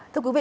thưa quý vị